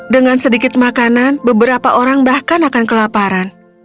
dengan sedikit makanan beberapa orang bahkan akan kelaparan